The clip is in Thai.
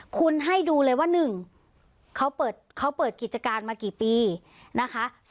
คุณให้ดูเลยว่า๑เขาเปิดกิจการมากี่ปีนะคะ